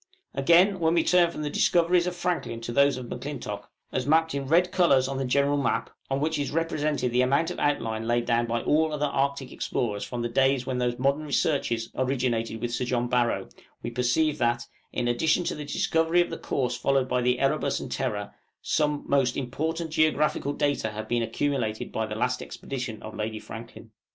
" Again, when we turn from the discoveries of Franklin to those of M'Clintock, as mapped in red colors on the general map, on which is represented the amount of outline laid down by all other Arctic explorers from the days when these modern researches originated with Sir John Barrow, we perceive that, in addition to the discovery of the course followed by the 'Erebus' and 'Terror,' some most important geographical data have been accumulated by the last expedition of Lady Franklin.